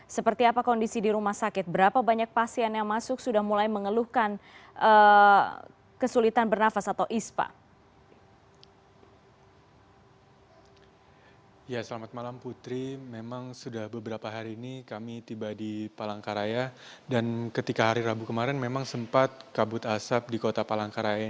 seperti apa kondisi di rumah sakit berapa banyak pasien yang masuk sudah mulai mengeluhkan kesulitan bernafas atau ispa